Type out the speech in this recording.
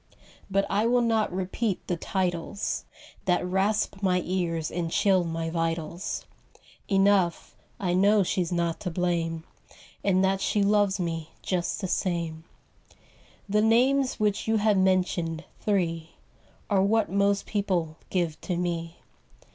But I will not repeat the titles That rasp my ears and chill my vitals. Enough, I know she's not to blame. And that she loves me just the same." Copyrighted, 1897 I HE names which you have mentioned, three, what most people give to me."